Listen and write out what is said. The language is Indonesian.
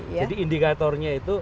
jadi indikatornya itu